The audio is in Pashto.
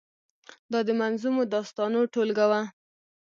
دا د منظومو داستانو ټولګه وه.